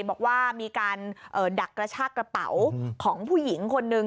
บอกว่ามีการดักกระชากระเป๋าของผู้หญิงคนนึง